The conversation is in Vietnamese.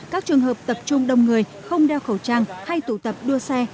các trường hợp tập trung đông người không đeo khẩu trang hay tụ tập đua xe